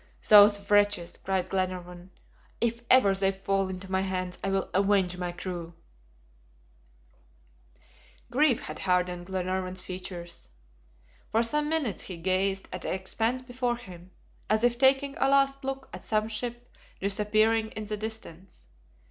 "Those wretches!" cried Glenarvan. "If ever they fall into my hands I will avenge my crew " Grief had hardened Glenarvan's features. For some minutes he gazed at the expanse before him, as if taking a last look at some ship disappearing in the distance.